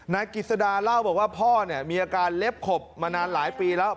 นายกิจสดาเล่าบอกว่าพ่อเนี่ยมีอาการเล็บขบมานานหลายปีแล้ว